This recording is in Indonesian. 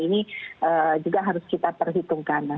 ini juga harus kita perhitungkan